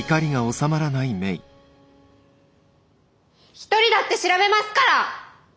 一人だって調べますから！